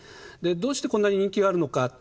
どうしてこんなに人気があるのかまあ